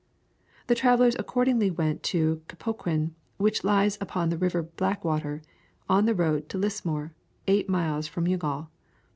The travellers accordingly went on to Cappoquin, which lies up the river Blackwater, on the road to Lismore, eight miles from Youghal.